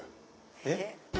えっ？